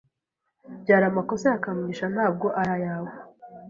Byari amakosa ya Kamugisha, ntabwo ari ayawe.